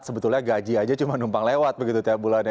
sebetulnya gaji aja cuma numpang lewat begitu tiap bulannya